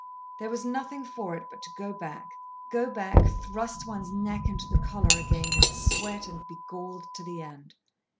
There was nothing for it but to go back go back, thrust one's neck into the collar again, and sweat and be galled to the end.